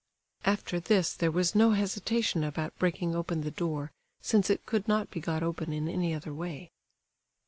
After this there was no hesitation about breaking open the door, since it could not be got open in any other way.